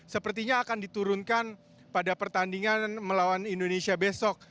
sepertinya akan diturunkan pada pertandingan melawan indonesia besok